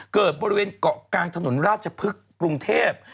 เกิดบริเวณเกาะกลางถนนราชพฤกษ์กรุงเทพ